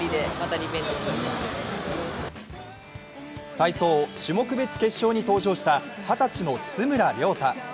体操・種目別決勝に登場した二十歳の津村涼太。